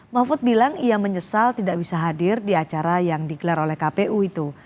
mahfud bilang ia menyesal tidak bisa hadir di acara yang digelar oleh kpu itu